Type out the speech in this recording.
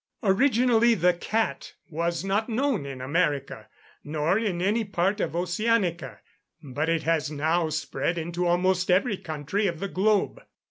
Originally the cat was not known in America, nor in any part of Oceanica; but it has now spread into almost every country of the globe.